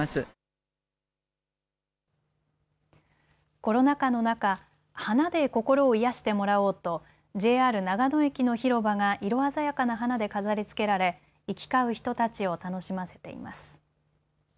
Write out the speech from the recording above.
コロナ禍の中、花で心を癒やしてもらおうとＪＲ長野駅の広場が色鮮やかな花で飾りつけられ行き交う人たちを楽しませています。